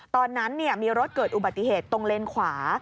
ตอนนั้นมีรถเกิดอุบัติเหตุตรงเลนขวา